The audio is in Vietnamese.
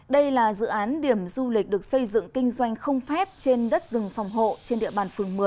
đây là dự án điểm du lịch được xây dựng kinh doanh không phép trên đất rừng phòng hộ trên địa bàn phường một mươi